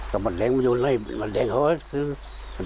ก็มันแดงไว้อยู่ในมันแดงสนิท